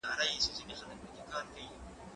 زه مخکي ښوونځی ته تللی و!؟